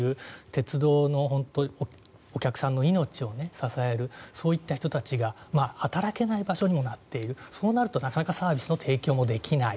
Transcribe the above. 鉄道の、お客さんの命を支えるそういった人たちが働けない場所にもなっているそうなると、なかなかサービスの提供もできない。